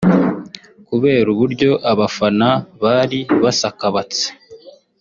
kubera uburyo abafana bari basakabatse